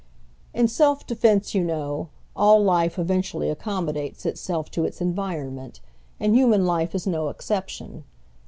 In self defence, yon know, all life eventually accom modates itself to its environment, and human life is no exception.